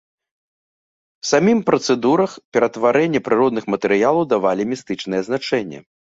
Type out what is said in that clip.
Самім працэдурах ператварэння прыродных матэрыялаў давалі містычнае значэнне.